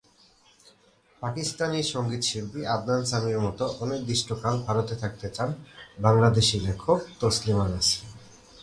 পাকিস্তানি সংগীতশিল্পী আদনান সামির মতো অনির্দিষ্টকাল ভারতে থাকতে চান বাংলাদেশি লেখক তসলিমা নাসরিন।